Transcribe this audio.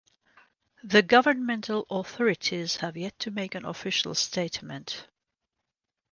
The governmental authorities have yet to make an official statement.